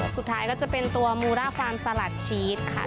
สุดท้ายก็จะเป็นตัวมูราฟาร์มสลัดชีสค่ะ